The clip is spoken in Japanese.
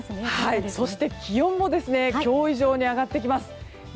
そして、気温も今日以上に上がってきます。